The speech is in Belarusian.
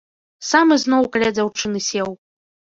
Сам ізноў каля дзяўчыны сеў.